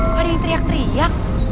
kok ada yang teriak teriak